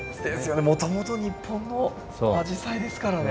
もともと日本のアジサイですからね。